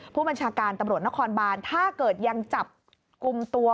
ผู้บัญชาการตำรวจนครบานถ้าเกิดยังจับกลุ่มตัว